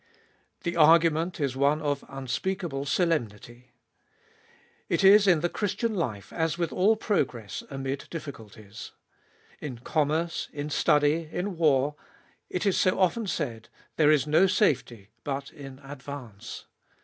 The argument is one of unspeakable solemnity. It is in the Christian life as with all progress amid difficulties. In commerce, in study, in war, it is so often said : there is no safety but in advance.